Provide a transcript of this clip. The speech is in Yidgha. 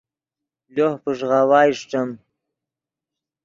لوہ پݱغاؤا اݰٹیم